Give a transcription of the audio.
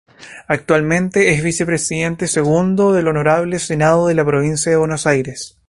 Actualmente es Vicepresidente Segundo del Honorable Senado de la Provincia de Buenos Aires.